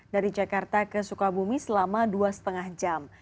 dari jakarta ke sukabumi selama dua lima jam